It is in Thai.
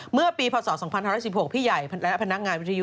เมื่อปีพศ๒๕๑๖พี่ใหญ่และพนักงานวิทยุ